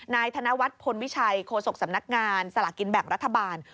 ธนวัฒน์พลวิชัยโฆษกสำนักงานสลากินแบ่งรัฐบาล